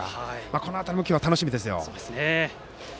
この辺りも今日は楽しみですよ。